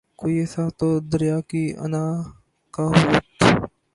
کوئی احساس تو دریا کی انا کا ہوت